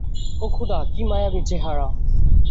ওহ খোদা, কি মায়াবী চেহারা!